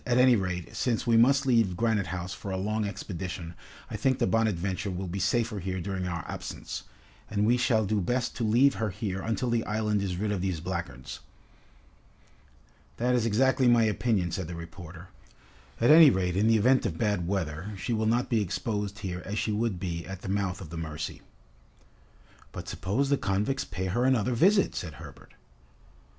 "At any rate, since we must leave Granite House for a long expedition, I think the 'Bonadventure' will be safer here during our absence, and we shall do best to leave her here until the island is rid of these blackguards." "That is exactly my opinion," said the reporter. "At any rate in the event of bad weather, she will not be exposed here as she would be at the mouth of the Mercy." "But suppose the convicts pay her another visit," said Herbert.